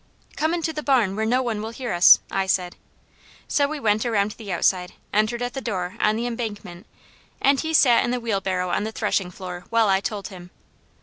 "Come into the barn where no one will hear us," I said. So we went around the outside, entered at the door on the embankment, and he sat in the wheelbarrow on the threshing floor while I told him.